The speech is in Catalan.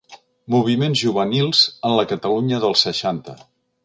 Moviments juvenils en la Catalunya dels seixanta.